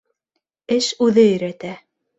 Эш үҙе өйрәтә.